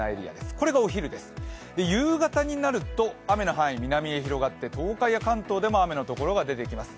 これがお昼です、夕方になると、雨の範囲は南へ広がって東海や関東でも雨のところが出てきます。